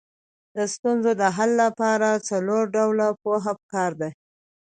د ستونزې د حل لپاره څلور ډوله پوهه پکار ده.